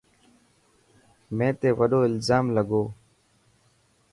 مين تي وڏو الزام لڳو.